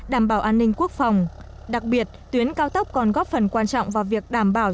đảm bảo an ninh quốc phòng đặc biệt tuyến cao tốc còn góp phần quan trọng vào việc đảm bảo